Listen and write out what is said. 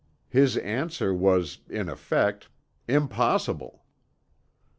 His answer was in effect, "Impossible!"